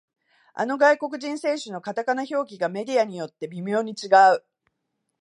あの外国人選手のカタカナ表記がメディアによって微妙に違う